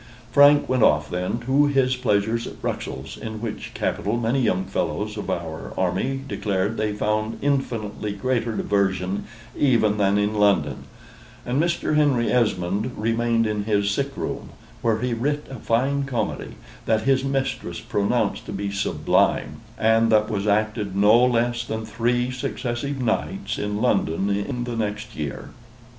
Frank went off, then, to his pleasures at Bruxelles, in which capital many young fellows of our army declared they found infinitely greater diversion even than in London: and Mr. Henry Esmond remained in his sick room, where he writ a fine comedy, that his mistress pronounced to be sublime, and that was acted no less than three successive nights in London in the next year.